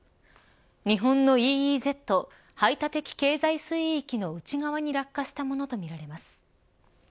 日本のＥＥＺ排他的経済水域の内側に落下したものとみられます。